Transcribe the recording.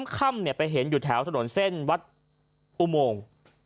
ค่ำไปเห็นอยู่แถวถนนเส้นวัดอุโมง